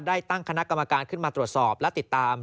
ได้ตั้งคณะกรรมการขึ้นมาตรวจสอบและติดตาม